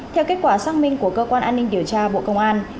theo kết quả xác minh của cơ quan an ninh điều tra bộ công an